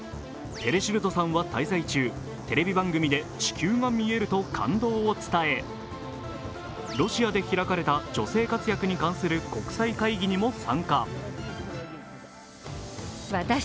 ペレシルドさんは滞在中、地球が見えると感動を伝えロシアで開かれた女性活躍に関する国際会議にも参加。